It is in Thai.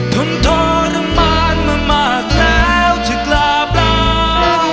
ทนทรมานมามากแล้วเธอกลาเปล่า